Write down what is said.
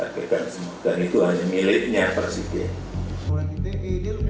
dan itu hanya miliknya presiden